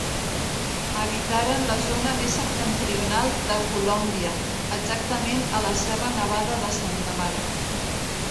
Habitaren la zona més septentrional de Colòmbia, exactament a la Serra nevada de Santa Marta.